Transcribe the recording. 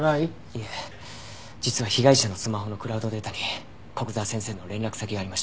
いえ実は被害者のスマホのクラウドデータに古久沢先生の連絡先がありました。